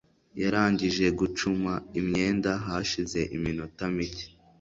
yarangije gucuma imyenda hashize iminota mike